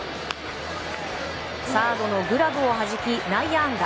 サードのグラブをはじき内野安打！